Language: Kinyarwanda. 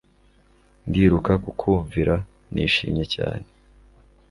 Ndiruka kukumvira nishimye cyane